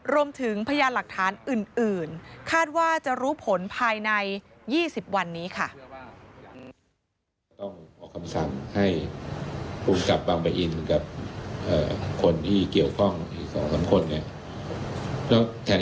พยานหลักฐานอื่นคาดว่าจะรู้ผลภายใน๒๐วันนี้ค่ะ